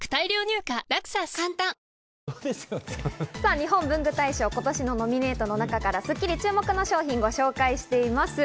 日本文具大賞、今年のノミネートの中から『スッキリ』注目の商品をご紹介しています。